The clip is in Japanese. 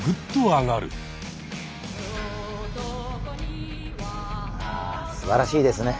あすばらしいですね。